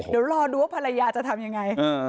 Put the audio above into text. เดี๋ยวรอดูว่าภรรยาจะทำยังไง